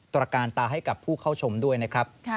ตรการตาให้กับผู้เข้าชมด้วยนะครับ